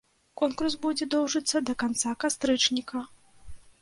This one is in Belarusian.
Конкурс будзе доўжыцца да канца кастрычніка.